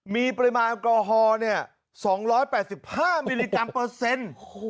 มีปริมาณกล่อฮอล์เนี่ยสองร้อยแปดสิบห้ามิลลิกรัมเปอร์เซ็นต์